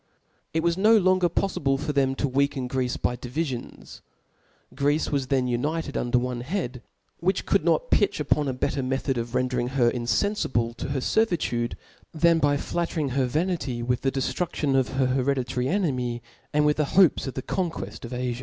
It was no longer polfible for them to >frcaken 'Greece by divifions: Greece was then united under one head, who could not pitch upon a better me thod of rendering her infenfible of her fervitude, than by flattering her vanity with the deftrudtion of her hereditary enemy, and with the hopes of the conqueft of Afia.